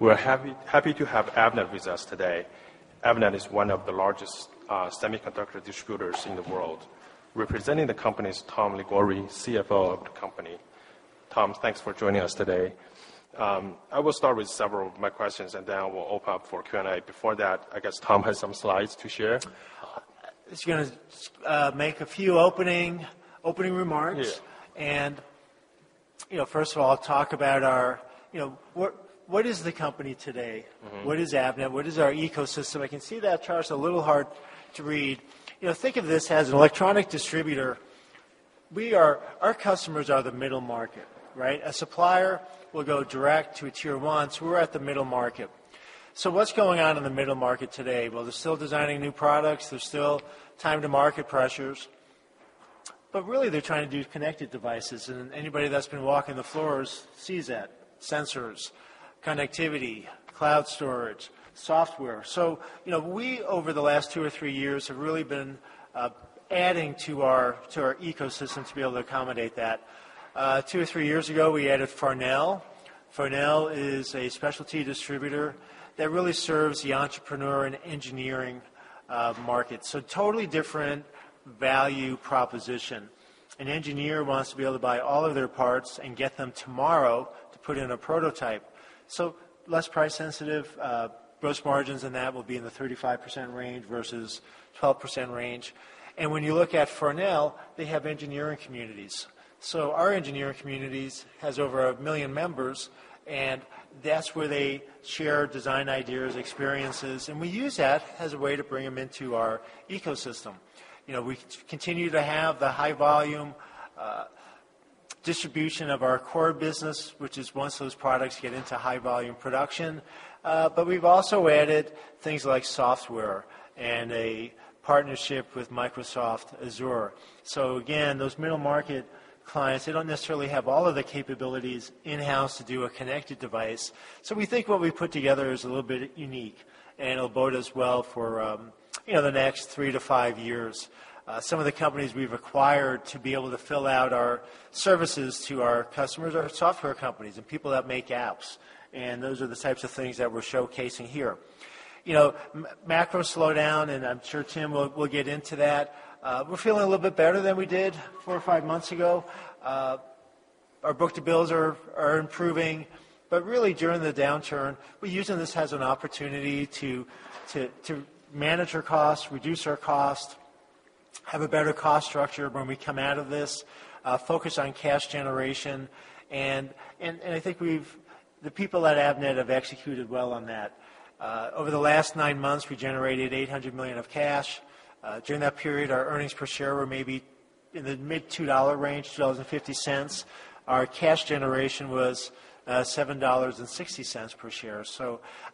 We're happy to have Avnet with us today. Avnet is one of the largest semiconductor distributors in the world. Representing the company is Tom Liguori, CFO of the company. Tom, thanks for joining us today. I will start with several of my questions, and then I will open up for Q&A. Before that, I guess Tom has some slides to share. Just going to make a few opening remarks. Yeah. First of all, talk about what is the company today. What is Avnet? What is our ecosystem? I can see that chart's a little hard to read. Think of this as an electronic distributor. Our customers are the middle market, right? A supplier will go direct to a tier 1, so we're at the middle market. What's going on in the middle market today? They're still designing new products. There's still time to market pressures. Really, they're trying to do connected devices, and anybody that's been walking the floors sees that. Sensors, connectivity, cloud storage, software. We, over the last two or three years, have really been adding to our ecosystem to be able to accommodate that. Two or three years ago, we added Premier Farnell. Premier Farnell is a specialty distributor that really serves the entrepreneur and engineering market. Totally different value proposition. An engineer wants to be able to buy all of their parts and get them tomorrow to put in a prototype. Less price sensitive. Gross margins in that will be in the 35% range versus 12% range. When you look at Farnell, they have engineering communities. Our engineering community has over 1 million members, and that's where they share design ideas, experiences, and we use that as a way to bring them into our ecosystem. We continue to have the high-volume distribution of our core business, which is once those products get into high-volume production. We've also added things like software and a partnership with Microsoft Azure. Again, those middle-market clients, they don't necessarily have all of the capabilities in-house to do a connected device. We think what we put together is a little bit unique, and it'll bode us well for the next three to five years. Some of the companies we've acquired to be able to fill out our services to our customers are software companies and people that make apps, and those are the types of things that we're showcasing here. Macro slowdown, and I'm sure Tim will get into that. We're feeling a little bit better than we did four or five months ago. Our book-to-bills are improving. Really, during the downturn, we're using this as an opportunity to manage our costs, reduce our costs, have a better cost structure when we come out of this, focus on cash generation, and I think the people at Avnet have executed well on that. Over the last nine months, we generated $800 million of cash. During that period, our earnings per share were maybe in the mid $2 range, $2.50. Our cash generation was $7.60 per share.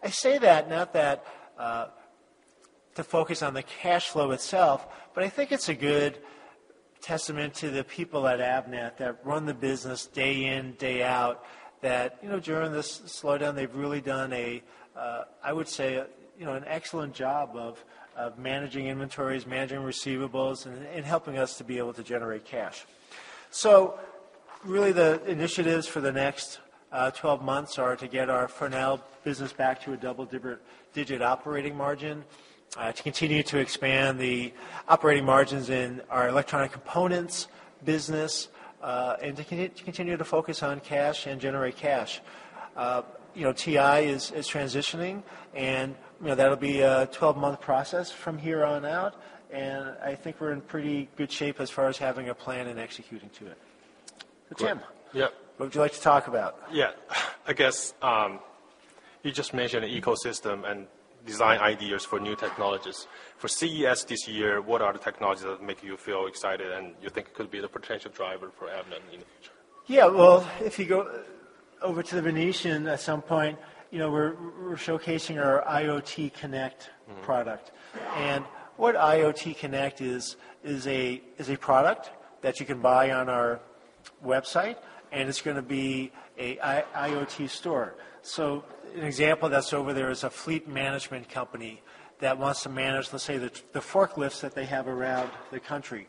I say that, not to focus on the cash flow itself, but I think it's a good testament to the people at Avnet that run the business day in, day out, that during this slowdown, they've really done, I would say, an excellent job of managing inventories, managing receivables, and helping us to be able to generate cash. Really, the initiatives for the next 12 months are to get our Farnell business back to a double-digit operating margin, to continue to expand the operating margins in our electronic components business, and to continue to focus on cash and generate cash. TI is transitioning, and that'll be a 12-month process from here on out, and I think we're in pretty good shape as far as having a plan and executing to it. Great. So Tim- Yeah. What would you like to talk about? Yeah. I guess, you just mentioned ecosystem and design ideas for new technologies. For CES this year, what are the technologies that make you feel excited and you think could be the potential driver for Avnet in the future? Yeah. Well, if you go over to the Venetian at some point, we're showcasing our IoTConnect product. What IoTConnect is a product that you can buy on our website, and it's going to be an IoT store. An example that's over there is a fleet management company that wants to manage, let's say, the forklifts that they have around the country.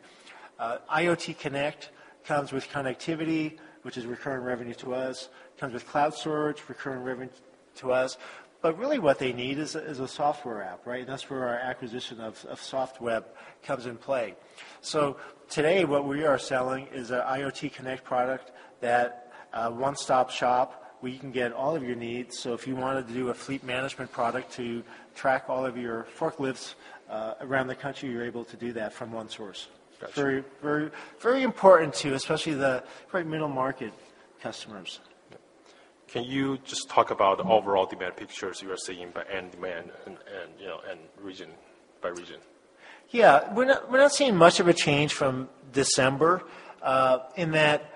IoTConnect comes with connectivity, which is recurring revenue to us, comes with cloud storage, recurring revenue to us. Really what they need is a software app, right? That's where our acquisition of Softweb comes in play. Today, what we are selling is an IoTConnect product that one-stop shop where you can get all of your needs. If you wanted to do a fleet management product to track all of your forklifts around the country, you're able to do that from one source. Got you. Very important, too, especially the probably middle-market customers. Yeah. Can you just talk about the overall demand pictures you are seeing by end demand and region by region? Yeah. We're not seeing much of a change from December, in that,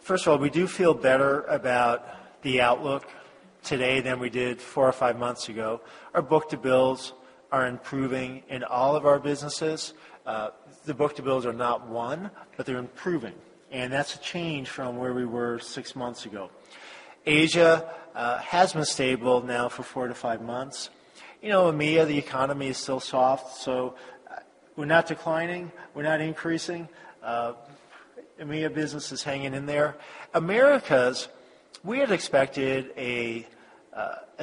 first of all, we do feel better about the outlook today than we did four or five months ago. Our book-to-bills are improving in all of our businesses. The book-to-bills are not one, but they're improving, and that's a change from where we were six months ago. Asia has been stable now for four to five months. You know EMEA, the economy is still soft, so we're not declining, we're not increasing. EMEA business is hanging in there. Americas, we had expected a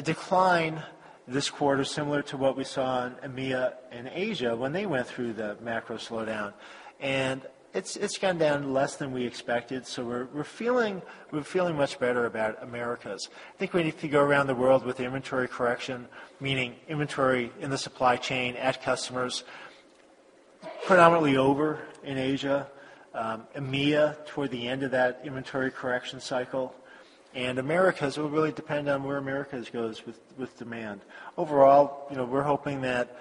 decline this quarter, similar to what we saw in EMEA and Asia when they went through the macro slowdown. It's gone down less than we expected, so we're feeling much better about Americas. I think we need to go around the world with the inventory correction, meaning inventory in the supply chain at customers, predominantly over in Asia, EMEA toward the end of that inventory correction cycle, and Americas, it will really depend on where Americas goes with demand. Overall, we're hoping that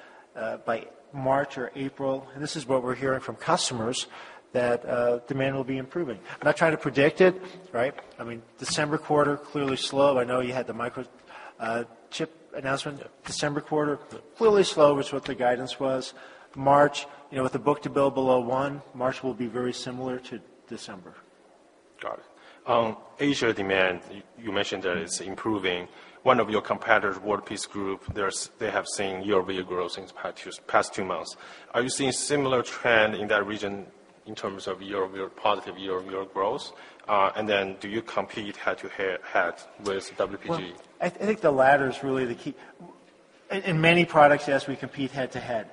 by March or April, this is what we're hearing from customers, that demand will be improving. I'm not trying to predict it. December quarter, clearly slow. I know you had the Microchip announcement. December quarter, clearly slow, was what the guidance was. March, with the book-to-bill below one, March will be very similar to December. Got it. Asia demand, you mentioned that it's improving. One of your competitors, WPG Holdings, they have seen year-over-year growth in the past two months. Are you seeing similar trend in that region in terms of positive year-over-year growth? Do you compete head-to-head with WPG? Well, I think the latter is really the key. In many products, yes, we compete head-to-head.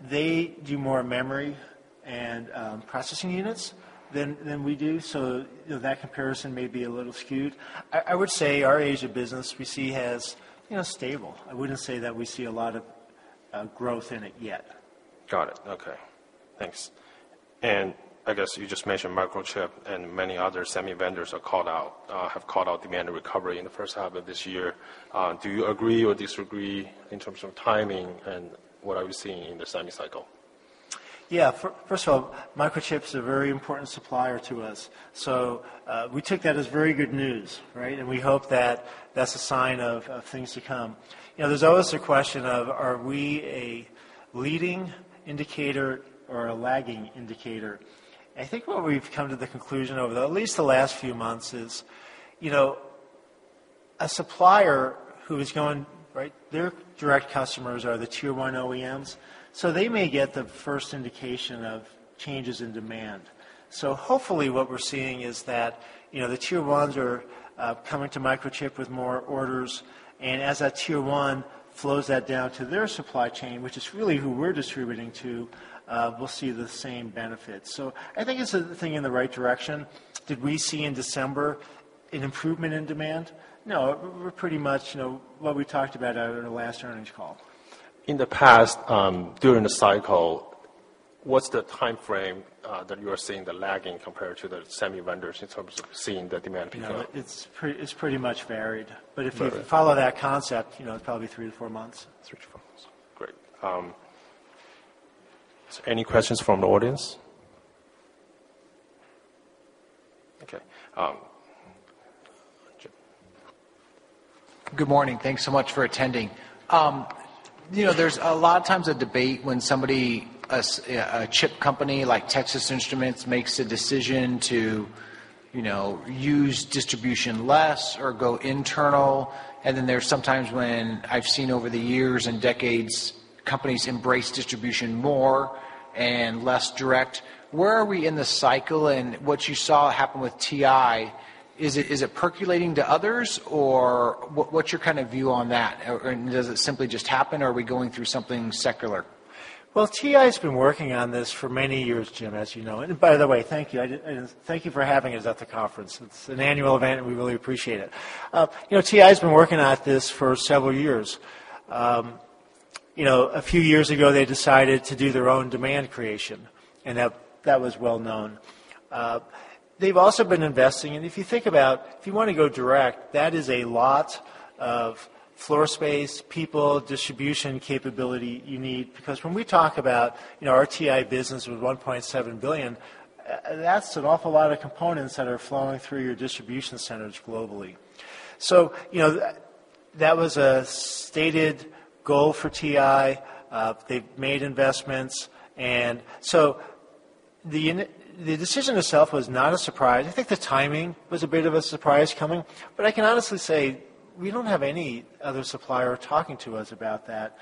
They do more memory and processing units than we do, so that comparison may be a little skewed. I would say our Asia business we see as stable. I wouldn't say that we see a lot of growth in it yet. Got it. Okay. Thanks. I guess you just mentioned Microchip and many other semi vendors have called out demand recovery in the first half of this year. Do you agree or disagree in terms of timing and what are we seeing in the semi cycle? First of all, Microchip's a very important supplier to us, so we took that as very good news. We hope that that's a sign of things to come. There's always a question of, are we a leading indicator or a lagging indicator? I think what we've come to the conclusion of, though, at least the last few months is, a supplier who is going, their direct customers are the tier 1 OEMs, so they may get the first indication of changes in demand. Hopefully what we're seeing is that, the tier 1s are coming to Microchip with more orders, and as that tier 1 flows that down to their supply chain, which is really who we're distributing to, we'll see the same benefits. I think it's a thing in the right direction. Did we see in December an improvement in demand? No, we're pretty much what we talked about at our last earnings call. In the past, during the cycle, what's the timeframe that you're seeing the lagging compared to the semi vendors in terms of seeing the demand pick up? It's pretty much varied. Right. If you follow that concept, it's probably three to four months. Three to four months. Great. Any questions from the audience? Okay. Jim. Good morning. Thanks so much for attending. There's a lot of times a debate when somebody, a chip company like Texas Instruments, makes the decision to use distribution less or go internal, and then there's sometimes when I've seen over the years and decades, companies embrace distribution more and less direct. Where are we in the cycle, and what you saw happen with TI, is it percolating to others, or what's your view on that? Does it simply just happen, or are we going through something secular? Well, TI's been working on this for many years, Jim, as you know. By the way, thank you for having us at the conference. It's an annual event, and we really appreciate it. TI's been working at this for several years. A few years ago, they decided to do their own demand creation, and that was well known. They've also been investing, and if you think about if you want to go direct, that is a lot of floor space, people, distribution capability you need because when we talk about our TI business with $1.7 billion, that's an awful lot of components that are flowing through your distribution centers globally. That was a stated goal for TI. They've made investments, the decision itself was not a surprise. I think the timing was a bit of a surprise coming, but I can honestly say we don't have any other supplier talking to us about that.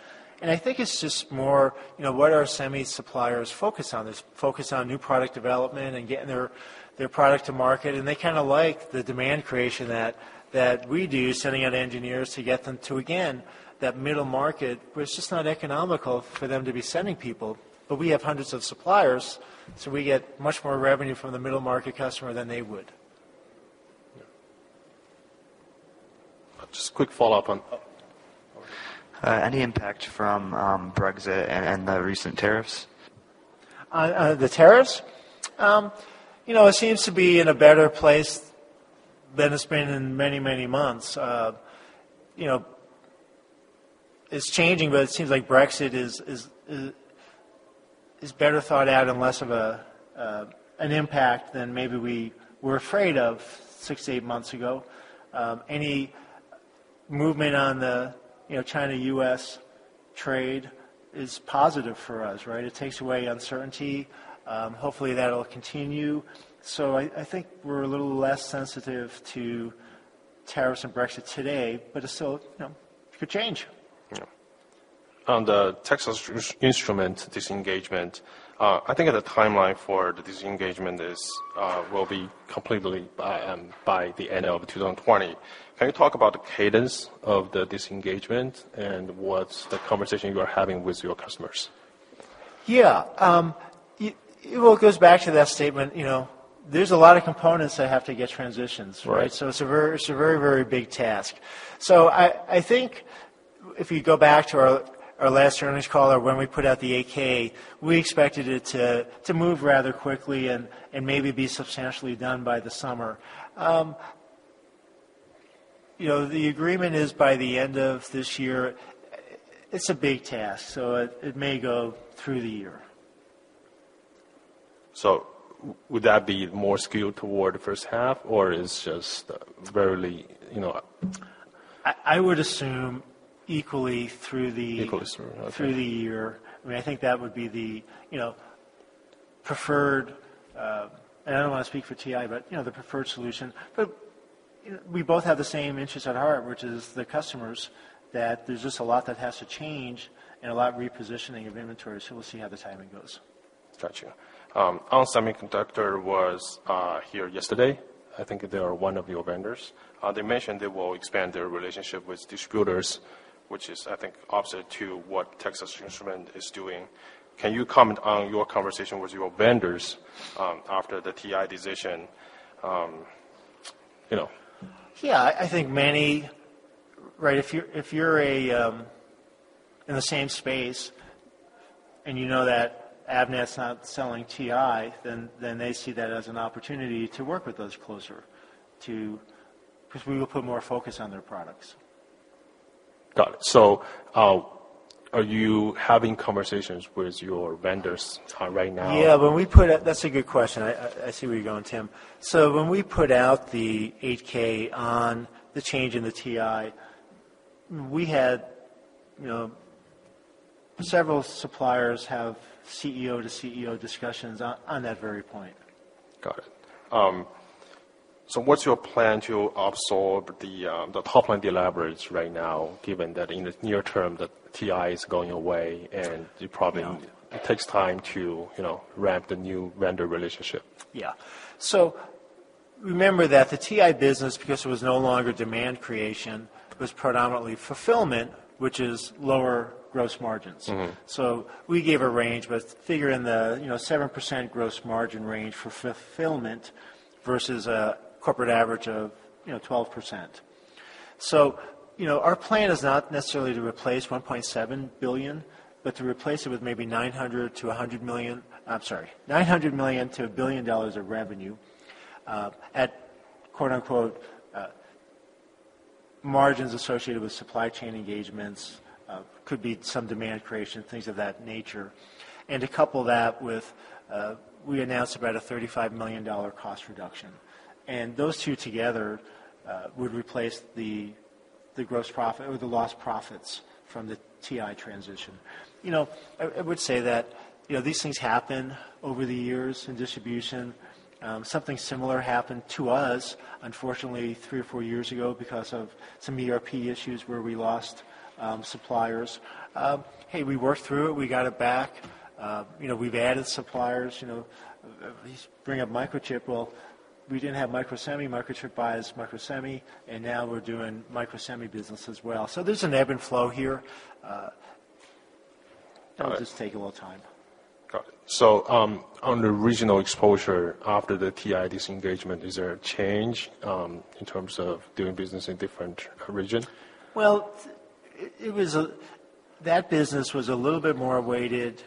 I think it's just more what our semi suppliers focus on. They focus on new product development and getting their product to market, and they kind of like the demand creation that we do, sending out engineers to get them to, again, that middle market where it's just not economical for them to be sending people. We have hundreds of suppliers, so we get much more revenue from the middle market customer than they would. Yeah. Just quick follow-up. Oh. Okay. Any impact from Brexit and the recent tariffs? It seems to be in a better place than it's been in many, many months. It's changing, it seems like Brexit is better thought out and less of an impact than maybe we were afraid of six to eight months ago. Any movement on the China-U.S. trade is positive for us. It takes away uncertainty. Hopefully, that'll continue. I think we're a little less sensitive to tariffs and Brexit today, but it still could change. On the Texas Instruments disengagement, I think that the timeline for the disengagement will be completely by the end of 2020. Can you talk about the cadence of the disengagement and what's the conversation you are having with your customers? It all goes back to that statement, there's a lot of components that have to get transitioned, right? It's a very big task. I think if you go back to our last earnings call or when we put out the 8-K, we expected it to move rather quickly and maybe be substantially done by the summer. The agreement is by the end of this year. It's a big task, so it may go through the year. Would that be more skewed toward the first half? I would assume equally through. Equally. Okay. through the year. I think that would be the preferred, and I don't want to speak for TI, but the preferred solution. We both have the same interests at heart, which is the customers, that there's just a lot that has to change and a lot of repositioning of inventory, so we'll see how the timing goes. Got you. ON Semiconductor was here yesterday. I think they are one of your vendors. They mentioned they will expand their relationship with distributors, which is, I think, opposite to what Texas Instruments is doing. Can you comment on your conversation with your vendors after the TI decision? Yeah. If you're in the same space and you know that Avnet's not selling TI, then they see that as an opportunity to work with us closer to because we will put more focus on their products. Got it. Are you having conversations with your vendors right now? Yeah. That's a good question. I see where you're going, Tim. When we put out the 8-K on the change in the TI, several suppliers have CEO to CEO discussions on that very point. Got it. What's your plan to absorb the top line de-leverage right now, given that in the near term, the TI is going away, and it probably? Yeah takes time to ramp the new vendor relationship. Yeah. Remember that the TI business, because it was no longer demand creation, was predominantly fulfillment, which is lower gross margins. We gave a range, but figure in the 7% gross margin range for fulfillment versus a corporate average of 12%. Our plan is not necessarily to replace $1.7 billion, but to replace it with maybe $900 million to $1 billion of revenue, at quote unquote, "margins associated with supply chain engagements," could be some demand creation, things of that nature. To couple that with, we announced about a $35 million cost reduction. Those two together would replace the gross profit or the lost profits from the TI transition. I would say that these things happen over the years in distribution. Something similar happened to us, unfortunately, three or four years ago because of some ERP issues where we lost suppliers. Hey, we worked through it. We got it back. We've added suppliers. You bring up Microchip. Well, we didn't have Microsemi. Microchip buys Microsemi, and now we're doing Microsemi business as well. There's an ebb and flow here. Got it. It'll just take a little time. On the regional exposure after the TI disengagement, is there a change in terms of doing business in different region? Well, that business was a little bit more weighted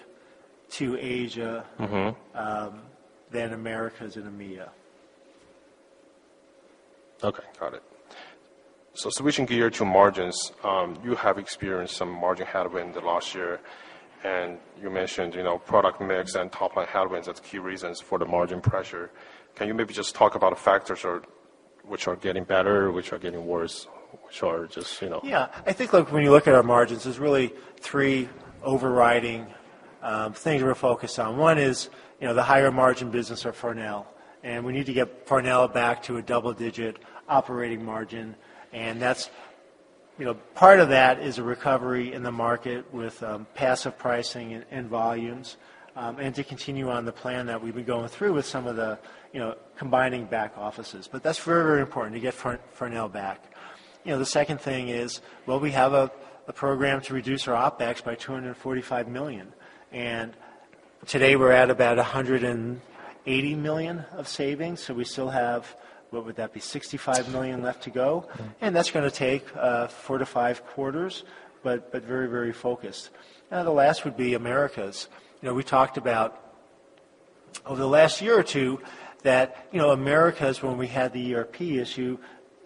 to Asia. than Americas and EMEA. Okay. Got it. Switching gear to margins, you have experienced some margin headwind last year, and you mentioned product mix and top-line headwinds as key reasons for the margin pressure. Can you maybe just talk about the factors which are getting better, which are getting worse, which are just, you know? I think when you look at our margins, there's really three overriding things we're focused on. One is the higher margin business of Farnell, and we need to get Farnell back to a double-digit operating margin. Part of that is a recovery in the market with passive pricing and volumes, and to continue on the plan that we've been going through with some of the combining back offices. That's very important, to get Farnell back. The second thing is, well, we have a program to reduce our OpEx by $245 million. Today, we're at about $180 million of savings, so we still have, what would that be? $65 million left to go. That's going to take four to five quarters, but very focused. The last would be Americas. We talked about over the last year or two, that Americas, when we had the ERP issue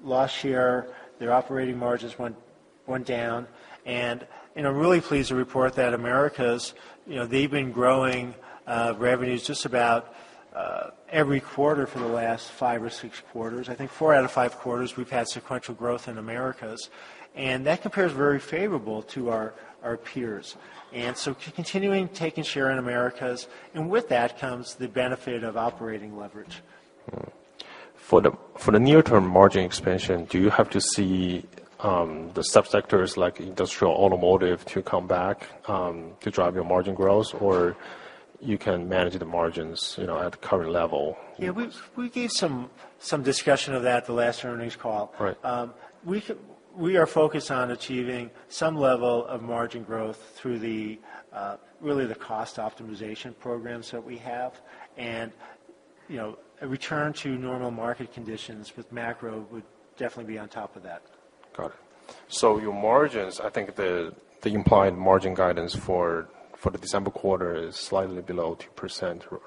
last year, their operating margins went down. I'm really pleased to report that Americas, they've been growing revenues just about every quarter for the last five or six quarters. I think four out of five quarters, we've had sequential growth in Americas, and that compares very favorable to our peers. Continuing taking share in Americas, and with that comes the benefit of operating leverage. For the near-term margin expansion, do you have to see the sub-sectors, like industrial automotive, to come back to drive your margin growth? Or you can manage the margins at the current level? Yeah. We gave some discussion of that at the last earnings call. Right. We are focused on achieving some level of margin growth through the cost optimization programs that we have. A return to normal market conditions with macro would definitely be on top of that. Got it. Your margins, I think the implied margin guidance for the December quarter is slightly below 2%,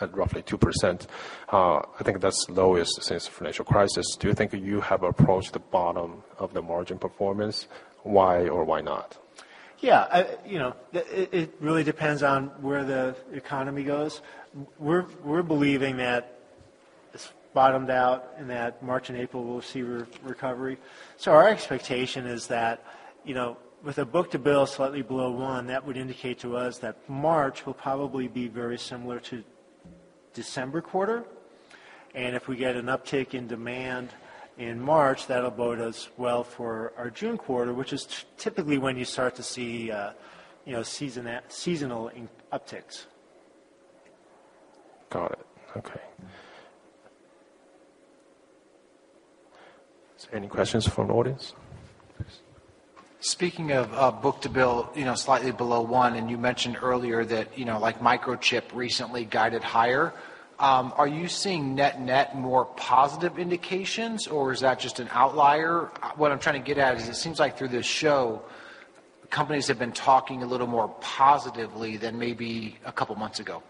at roughly 2%. I think that's the lowest since the financial crisis. Do you think you have approached the bottom of the margin performance? Why or why not? Yeah. It really depends on where the economy goes. We're believing that it's bottomed out and that March and April we'll see recovery. Our expectation is that with a book-to-bill slightly below one, that would indicate to us that March will probably be very similar to December quarter. If we get an uptick in demand in March, that'll bode us well for our June quarter, which is typically when you start to see seasonal upticks. Got it. Okay. Is there any questions from the audience? Yes. Speaking of book-to-bill slightly below one, and you mentioned earlier that Microchip recently guided higher, are you seeing net more positive indications, or is that just an outlier? What I'm trying to get at is it seems like through this show, companies have been talking a little more positively than maybe a couple of months ago.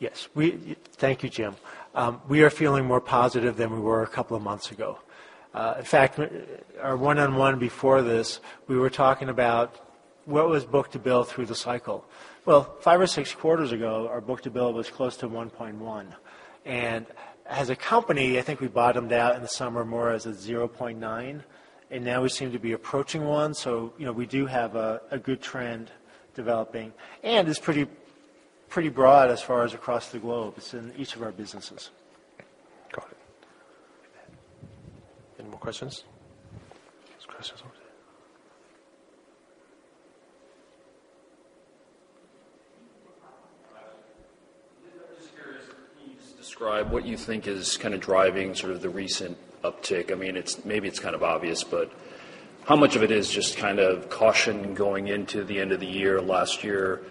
Yes. Thank you, Jim. We are feeling more positive than we were a couple of months ago. In fact, our one-on-one before this, we were talking about what was book-to-bill through the cycle. Well, five or six quarters ago, our book-to-bill was close to 1.1. As a company, I think we bottomed out in the summer more as a 0.9, and now we seem to be approaching one, so we do have a good trend developing. It's pretty broad as far as across the globe. It's in each of our businesses. Got it. Any more questions? There's questions over there. I'm just curious, can you just describe what you think is kind of driving sort of the recent uptick? Maybe it's kind of obvious, but how much of it is just caution going into the end of the year, last year,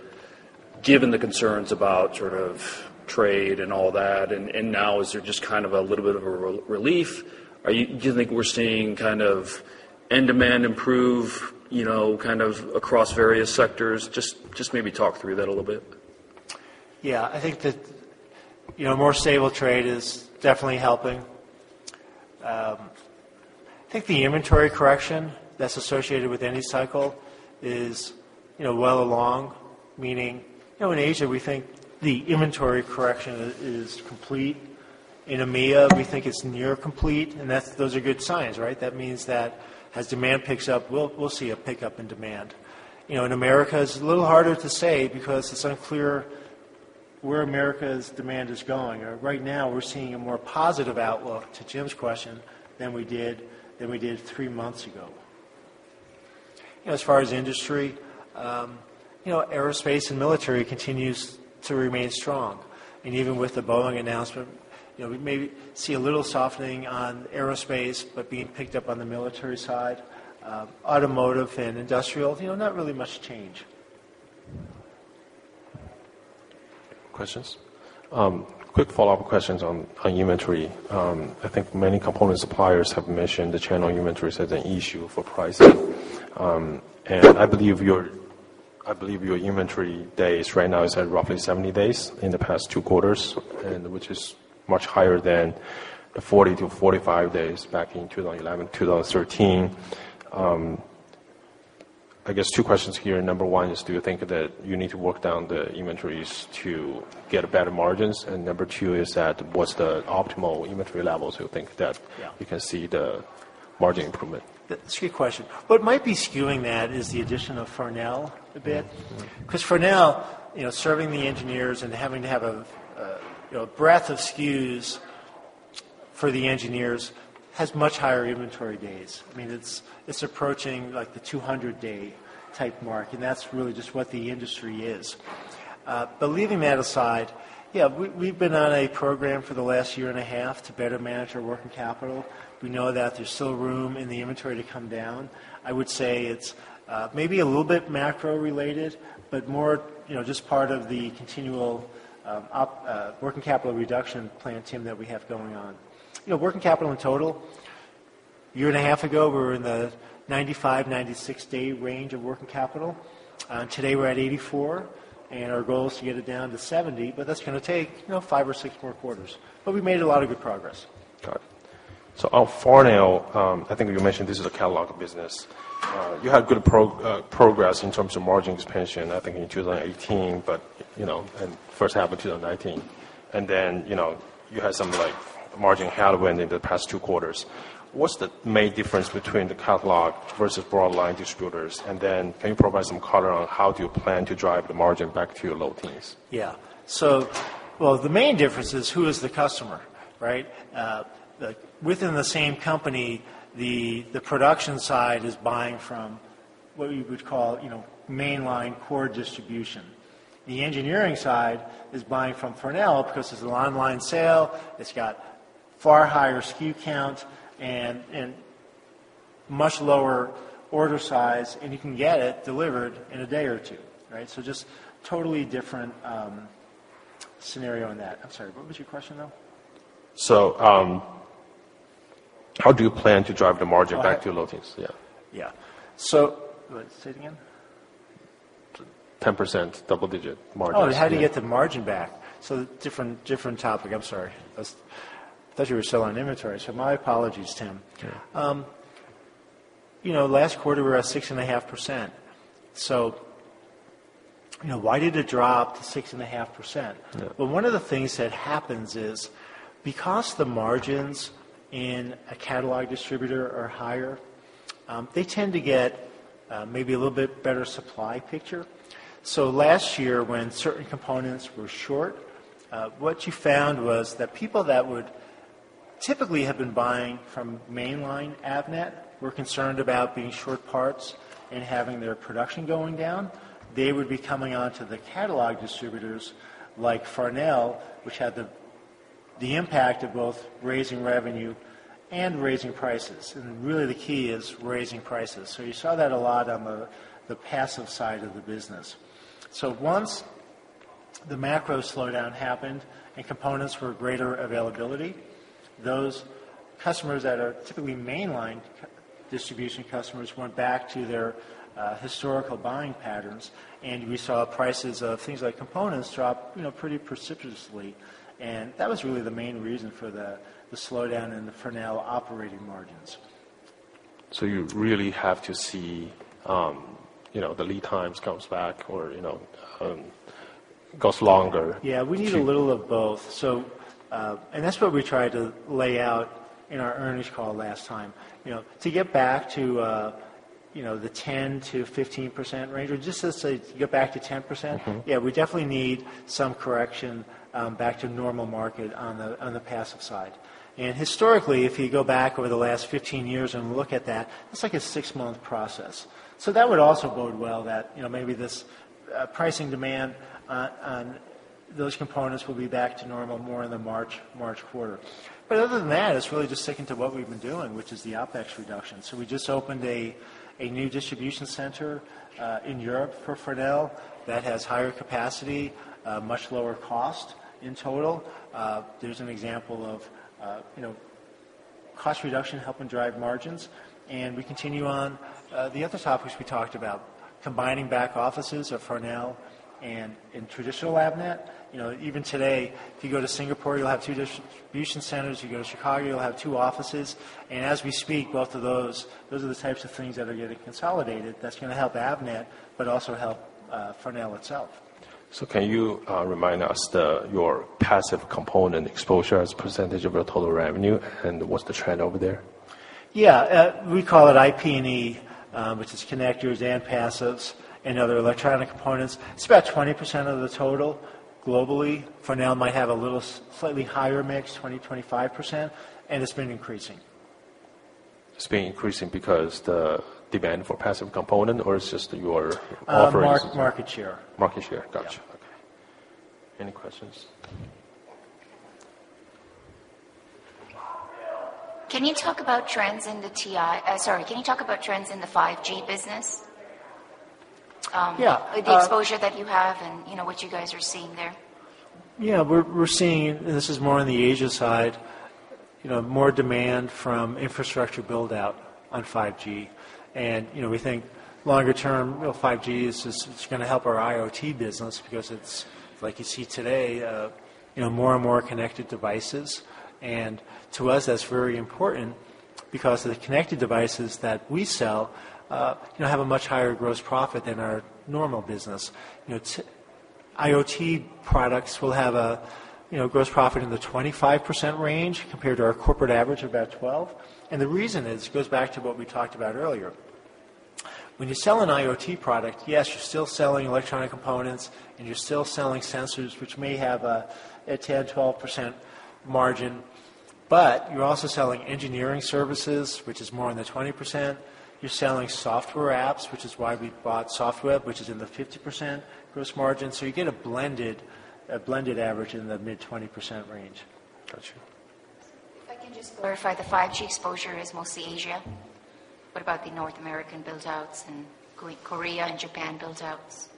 given the concerns about sort of trade and all that, and now is there just kind of a little bit of a relief? Do you think we're seeing end demand improve across various sectors? Just maybe talk through that a little bit. Yeah. I think that more stable trade is definitely helping. I think the inventory correction that's associated with any cycle is well along. Meaning, in Asia, we think the inventory correction is complete. In EMEA, we think it's near complete. Those are good signs, right? That means that as demand picks up, we'll see a pickup in demand. In America, it's a little harder to say because it's unclear where America's demand is going. Right now, we're seeing a more positive outlook, to Jim's question, than we did three months ago. As far as industry, aerospace and military continues to remain strong. Even with the Boeing announcement, we may see a little softening on aerospace, but being picked up on the military side. Automotive and industrial, not really much change. Questions? Quick follow-up questions on inventory. I think many component suppliers have mentioned the channel inventories as an issue for pricing. I believe your inventory days right now is at roughly 70 days in the past two quarters, and which is much higher than the 40-45 days back in 2011, 2013. I guess two questions here. Number one is, do you think that you need to work down the inventories to get better margins? Number two is, what's the optimal inventory levels you think that- Yeah you can see the margin improvement? It's a good question. What might be skewing that is the addition of Farnell a bit. Because Farnell, serving the engineers and having to have a breadth of SKUs for the engineers, has much higher inventory days. It's approaching the 200-day type mark, and that's really just what the industry is. Leaving that aside, yeah, we've been on a program for the last year and a half to better manage our working capital. We know that there's still room in the inventory to come down. I would say it's maybe a little bit macro related, but more just part of the continual working capital reduction plan, Tim, that we have going on. Working capital in total, a year and a half ago, we were in the 95, 96-day range of working capital. Today, we're at 84, and our goal is to get it down to 70, but that's going to take five or six more quarters. We've made a lot of good progress. Got it. On Farnell, I think you mentioned this is a catalog business. You had good progress in terms of margin expansion, I think in 2018, but in the first half of 2019. Then you had something like margin headwind in the past two quarters. What's the main difference between the catalog versus broad line distributors, and then can you provide some color on how do you plan to drive the margin back to your low teens? Yeah. Well, the main difference is who is the customer, right? Within the same company, the production side is buying from what you would call mainline core distribution. The engineering side is buying from Farnell because it's an online sale, it's got far higher SKU count, and much lower order size, and you can get it delivered in a day or two. Just a totally different scenario in that. I'm sorry, what was your question, though? How do you plan to drive the margin back to low teens? Yeah. Yeah. Say it again. 10% double-digit margin. Oh, yeah. How do you get the margin back? Different topic. I'm sorry. I thought you were still on inventory, my apologies, Tim. Yeah. Last quarter, we were at 6.5%. Why did it drop to 6.5%? Yeah. Well, one of the things that happens is, because the margins in a catalog distributor are higher, they tend to get maybe a little bit better supply picture. Last year, when certain components were short, what you found was that people that would typically have been buying from mainline Avnet were concerned about being short parts and having their production going down. They would be coming onto the catalog distributors like Farnell, which had the impact of both raising revenue and raising prices. Really the key is raising prices. You saw that a lot on the passive side of the business. Once the macro slowdown happened and components were greater availability, those customers that are typically mainline distribution customers went back to their historical buying patterns, and we saw prices of things like components drop pretty precipitously. That was really the main reason for the slowdown in the Farnell operating margins. You really have to see the lead times comes back or it goes longer. Yeah. We need a little of both. That's what we tried to lay out in our earnings call last time. To get back to the 10-15% range, or just, let's say, to get back to 10%. We definitely need some correction back to normal market on the passive side. Historically, if you go back over the last 15 years and look at that, it's like a six-month process. That would also bode well that maybe this pricing demand on those components will be back to normal more in the March quarter. Other than that, it's really just sticking to what we've been doing, which is the OpEx reduction. We just opened a new distribution center in Europe for Farnell that has higher capacity, much lower cost in total. There's an example of cost reduction helping drive margins. We continue on the other topics we talked about, combining back offices of Farnell and traditional Avnet. Even today, if you go to Singapore, you'll have two distribution centers. You go to Chicago, you'll have two offices. As we speak, both of those are the types of things that are getting consolidated that's going to help Avnet, but also help Farnell itself. Can you remind us your passive component exposure as a % of your total revenue, and what's the trend over there? Yeah. We call it IP&E, which is connectors and passives and other electronic components. It is about 20% of the total globally. Farnell might have a little slightly higher mix, 20%-25%, and it has been increasing. It's been increasing because the demand for passive component, or it's just your operations? Market share. Market share. Got you. Yeah. Okay. Any questions? Can you talk about trends in the 5G business? Yeah. The exposure that you have and what you guys are seeing there. Yeah, we're seeing, this is more on the Asia side, more demand from infrastructure build-out on 5G. We think longer term, 5G is going to help our IoT business because it's, like you see today, more and more connected devices. To us, that's very important because the connected devices that we sell have a much higher gross profit than our normal business. IoT products will have a gross profit in the 25% range compared to our corporate average of about 12%. The reason is, it goes back to what we talked about earlier. When you sell an IoT product, yes, you're still selling electronic components and you're still selling sensors, which may have a 10%, 12% margin, but you're also selling engineering services, which is more in the 20%. You're selling software apps, which is why we bought Softweb, which is in the 50% gross margin. You get a blended average in the mid-20% range. Got you. If I can just clarify, the 5G exposure is mostly Asia? What about the North American build-outs and Korea and Japan build-outs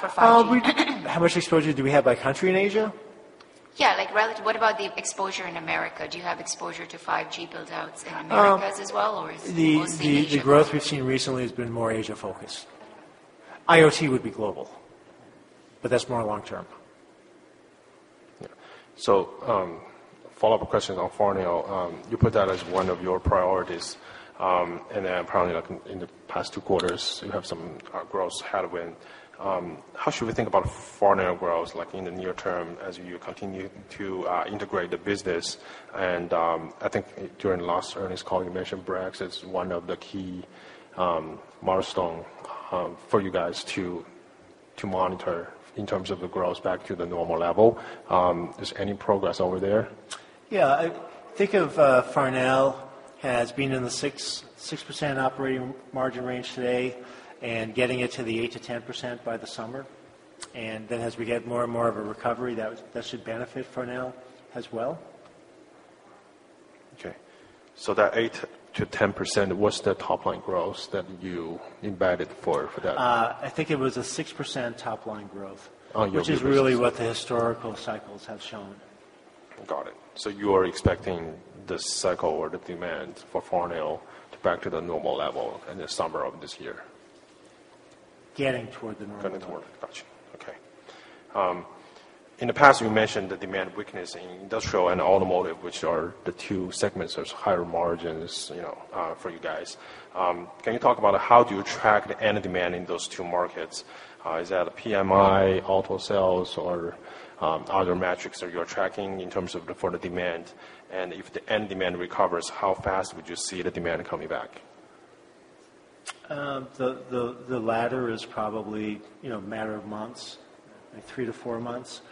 for 5G? How much exposure do we have by country in Asia? Yeah, like relative, what about the exposure in America? Do you have exposure to 5G build-outs in Americas as well, or is it mostly Asia? The growth we've seen recently has been more Asia focused. IoT would be global, but that's more long-term. Yeah. Follow-up question on Farnell. You put that as one of your priorities, and then probably like in the past two quarters, you have some growth headwind. How should we think about Farnell growth, like in the near term as you continue to integrate the business? And I think during last earnings call, you mentioned Brexit is one of the key milestones for you guys to monitor in terms of the growth back to the normal level. Is any progress over there? Yeah. Think of Farnell as being in the 6% operating margin range today, and getting it to the 8%-10% by the summer. As we get more and more of a recovery, that should benefit Farnell as well. Okay. That 8% to 10%, what's the top line growth that you embedded for that? I think it was a 6% top line growth. On year basis. which is really what the historical cycles have shown. Got it. You are expecting the cycle or the demand for Farnell to back to the normal level in the summer of this year? Getting toward the normal level. Got you. Okay. In the past, you mentioned the demand weakness in industrial and automotive, which are the two segments. There's higher margins for you guys. Can you talk about how do you track the end demand in those two markets? Is that a PMI, auto sales, or other metrics that you're tracking in terms of for the demand? If the end demand recovers, how fast would you see the demand coming back? The latter is probably a matter of months, like three to four months.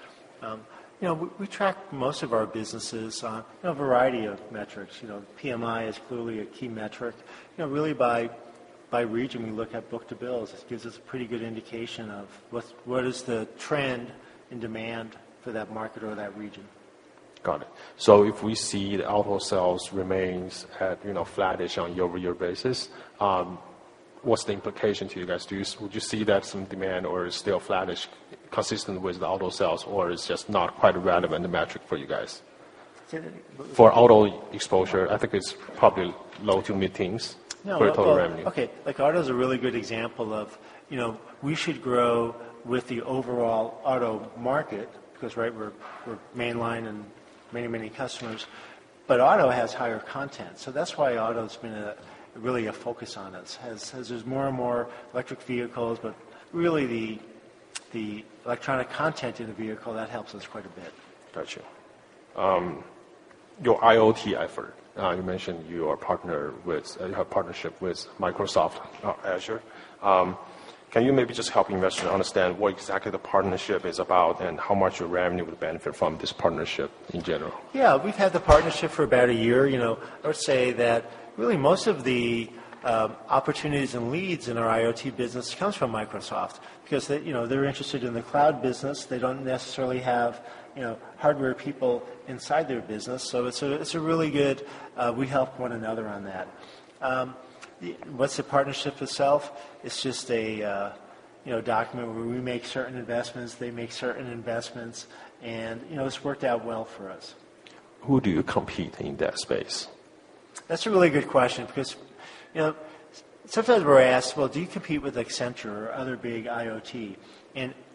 We track most of our businesses on a variety of metrics. PMI is clearly a key metric. Really by region, we look at book-to-bill. It gives us a pretty good indication of what is the trend in demand for that market or that region. Got it. If we see the auto sales remains at flattish on year-over-year basis, what's the implication to you guys? Would you see that some demand or still flattish consistent with the auto sales, or it's just not quite relevant the metric for you guys? To the- For auto exposure, I think it's probably low to mid teens for total revenue. No. Well, okay. Like auto's a really good example of we should grow with the overall auto market, because, right, we're mainline in many, many customers. Auto has higher content. That's why auto's been really a focus on us, as there's more and more electric vehicles. Really, the electronic content in the vehicle, that helps us quite a bit. Got you. Your IoT effort, you mentioned you have partnership with Microsoft Azure. Can you maybe just help investors understand what exactly the partnership is about and how much your revenue would benefit from this partnership in general? Yeah. We've had the partnership for about a year. Let's say that really most of the opportunities and leads in our IoT business comes from Microsoft, because they're interested in the cloud business. They don't necessarily have hardware people inside their business. We help one another on that. What's the partnership itself? It's just a document where we make certain investments, they make certain investments, and it's worked out well for us. Who do you compete in that space? That's a really good question, because sometimes we're asked, "Well, do you compete with Accenture or other big IoT?"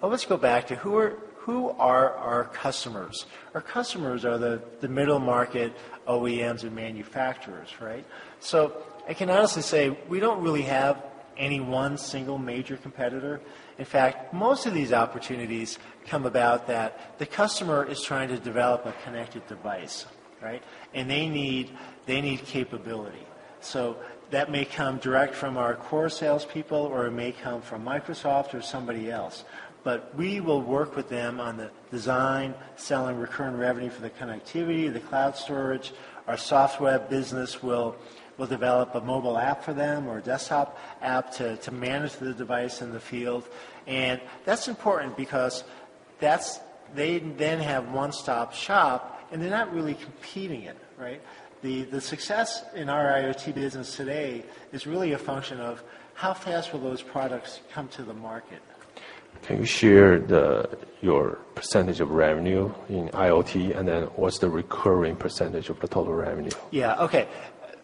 Let's go back to who are our customers? Our customers are the middle market OEMs and manufacturers, right? I can honestly say we don't really have any one single major competitor. In fact, most of these opportunities come about that the customer is trying to develop a connected device, right? They need capability. That may come direct from our core salespeople, or it may come from Microsoft or somebody else. We will work with them on the design, selling recurring revenue for the connectivity, the cloud storage. Our software business will develop a mobile app for them or a desktop app to manage the device in the field. That's important because they then have one-stop shop, and they're not really competing it, right? The success in our IoT business today is really a function of how fast will those products come to the market. Can you share your % of revenue in IoT, and then what's the recurring % of the total revenue? Yeah. Okay.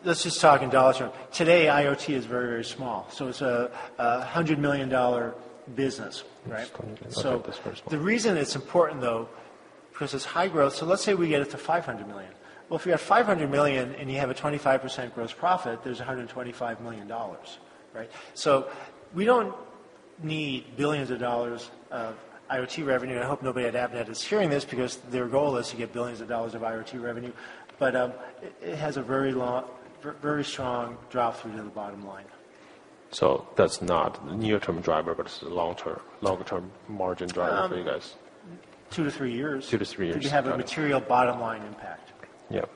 Let's just talk in dollar term. Today, IoT is very, very small. It's a $100 million business, right? Just going to update this first one. The reason it's important, though, because it's high growth, so let's say we get it to $500 million. Well, if we have $500 million and you have a 25% gross profit, there's $125 million, right? We don't need billions of dollars of IoT revenue. I hope nobody at Avnet is hearing this, because their goal is to get billions of dollars of IoT revenue. It has a very strong drop through to the bottom line. That's not near-term driver, but it's a long-term margin driver for you guys. Two to three years. Two to three years. Got it. till you have a material bottom line impact. Yep.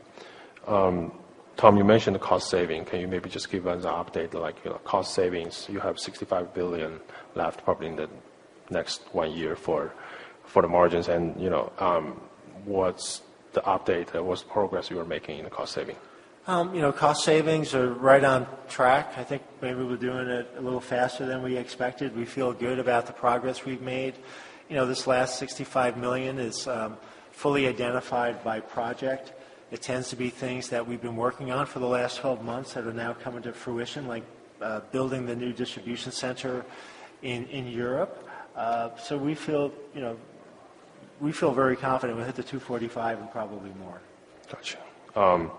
Tom, you mentioned cost saving. Can you maybe just give us an update, like cost savings, you have $65 million left probably in the next one year for the margins and what's the update, what's progress you are making in the cost saving? Cost savings are right on track. I think maybe we're doing it a little faster than we expected. We feel good about the progress we've made. This last $65 million is fully identified by project. It tends to be things that we've been working on for the last 12 months that are now coming to fruition, like building the new distribution center in Europe. We feel very confident we'll hit the $245 million and probably more. Got you.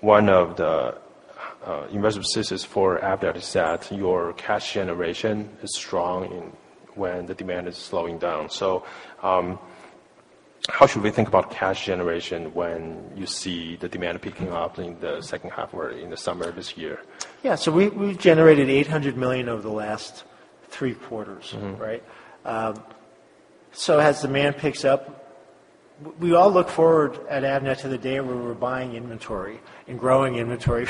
One of the investment thesis for Avnet is that your cash generation is strong when the demand is slowing down. How should we think about cash generation when you see the demand picking up in the second half or in the summer of this year? Yeah. We've generated $800 million over the last three quarters. Right? As demand picks up, we all look forward, at Avnet, to the day where we're buying inventory and growing inventory.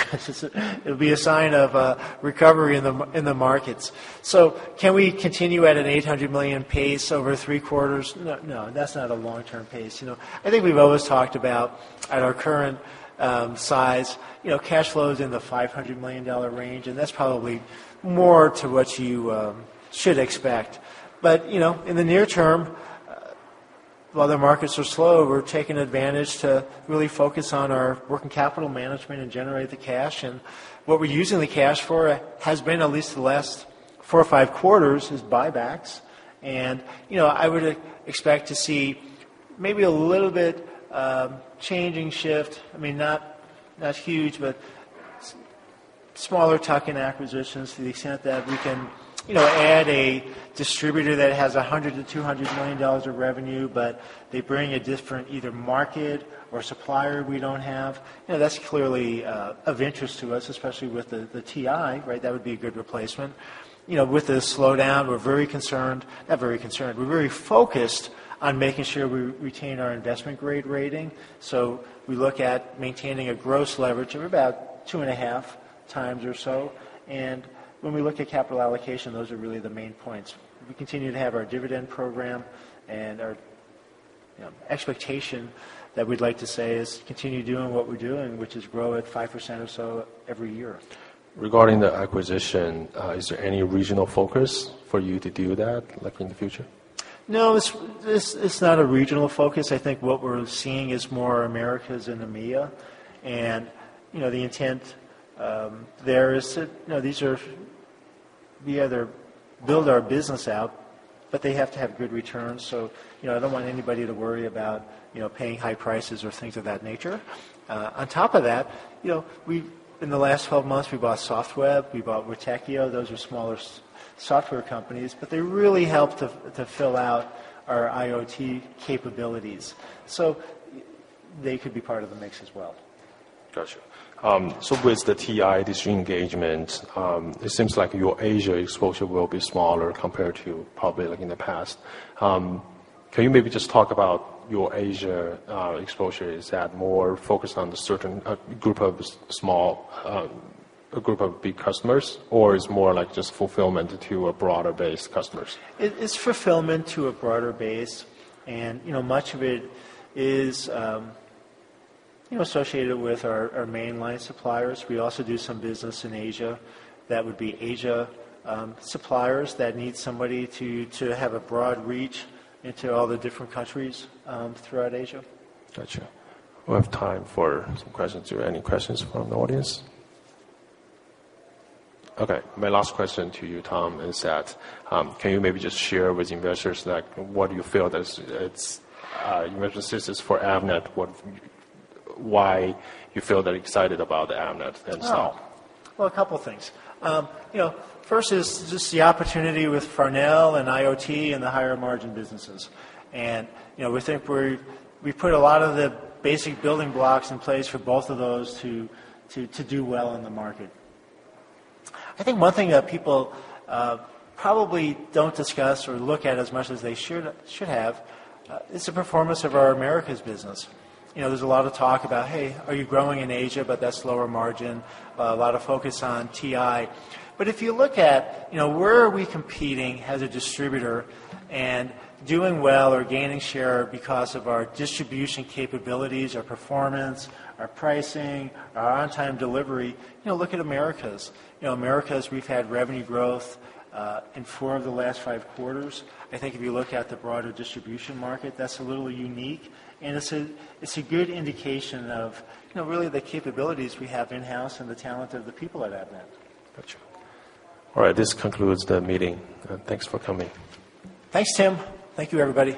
It'll be a sign of recovery in the markets. Can we continue at an $800 million pace over three quarters? No, that's not a long-term pace. I think we've always talked about, at our current size, cash flows in the $500 million range. That's probably more to what you should expect. In the near term, while the markets are slow, we're taking advantage to really focus on our working capital management and generate the cash. What we're using the cash for has been, at least the last four or five quarters, is buybacks. I would expect to see maybe a little bit changing shift. I mean, not huge, but smaller tuck-in acquisitions to the extent that we can add a distributor that has $100 million to $200 million of revenue, but they bring a different either market or supplier we don't have. That's clearly of interest to us, especially with the TI, right? That would be a good replacement. With the slowdown, we're very focused on making sure we retain our investment-grade rating. We look at maintaining a gross leverage of about 2.5 times or so. When we look at capital allocation, those are really the main points. We continue to have our dividend program and our expectation that we'd like to say is continue doing what we're doing, which is grow at 5% or so every year. Regarding the acquisition, is there any regional focus for you to do that, like in the future? No, it's not a regional focus. I think what we're seeing is more Americas and EMEA. The intent there is to build our business out, but they have to have good returns. I don't want anybody to worry about paying high prices or things of that nature. On top of that, in the last 12 months we bought Softweb, we bought Witekio. Those are smaller software companies. They really help to fill out our IoT capabilities. They could be part of the mix as well. Got you. With the TI disengagement, it seems like your Asia exposure will be smaller compared to probably like in the past. Can you maybe just talk about your Asia exposure? Is that more focused on the certain group of big customers, or is more like just fulfillment to a broader base customers? It's fulfillment to a broader base, and much of it is associated with our mainline suppliers. We also do some business in Asia. That would be Asia suppliers that need somebody to have a broad reach into all the different countries throughout Asia. Got you. We have time for some questions, any questions from the audience? Okay. My last question to you, Tom, is that, can you maybe just share with investors, like what you feel is, you mentioned this is for Avnet, why you feel that excited about Avnet? Oh. Well, a couple things. First is just the opportunity with Farnell and IoT and the higher margin businesses. We think we've put a lot of the basic building blocks in place for both of those to do well in the market. I think one thing that people probably don't discuss or look at as much as they should have, is the performance of our Americas business. There's a lot of talk about, "Hey, are you growing in Asia?" That's lower margin. A lot of focus on TI. If you look at where are we competing as a distributor and doing well or gaining share because of our distribution capabilities, our performance, our pricing, our on-time delivery, look at Americas. Americas, we've had revenue growth in four of the last five quarters. I think if you look at the broader distribution market, that's a little unique, and it's a good indication of really the capabilities we have in-house and the talent of the people at Avnet. Got you. All right. This concludes the meeting. Thanks for coming. Thanks, Tim. Thank you, everybody.